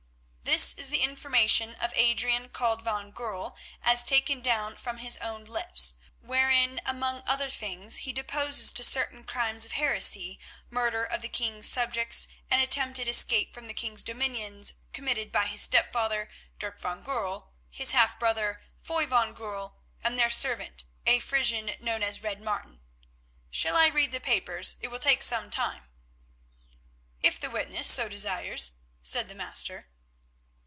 "This is the information of Adrian, called Van Goorl, as taken down from his own lips, wherein, among other things, he deposes to certain crimes of heresy, murder of the king's subjects, an attempted escape from the king's dominions, committed by his stepfather, Dirk van Goorl, his half brother, Foy van Goorl, and their servant, a Frisian known as Red Martin. Shall I read the papers? It will take some time." "If the witness so desires," said the Master.